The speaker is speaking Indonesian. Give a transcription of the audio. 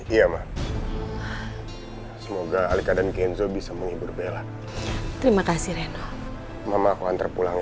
iya mak semoga alika dan kenzo bisa menghibur bella terima kasih reno mama aku antar pulang